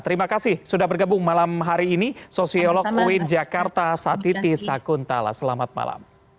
terima kasih sudah bergabung malam hari ini sosiolog uin jakarta satiti sakuntala selamat malam